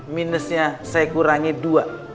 minusnya saya kurangi dua